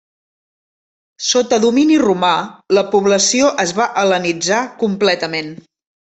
Sota domini romà la població es va hel·lenitzar completament.